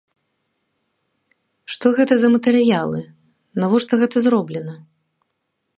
Што гэта за матэрыялы, навошта гэта зроблена?